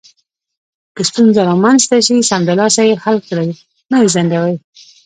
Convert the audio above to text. که ستونزه رامنځته شي، سمدلاسه یې حل کړئ، مه یې ځنډوئ.